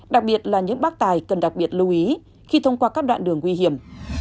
đặc biệt là những bác tài cần đặc biệt lưu ý khi thông qua các đoạn đường nguy hiểm